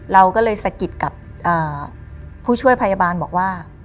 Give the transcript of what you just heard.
เราก็เลยสะกิดกับผู้ช่วยพยาบาลบอกว่า